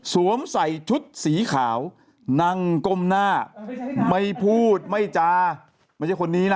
ใส่ชุดสีขาวนั่งก้มหน้าไม่พูดไม่จาไม่ใช่คนนี้นะ